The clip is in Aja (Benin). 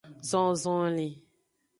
Zon zonlin.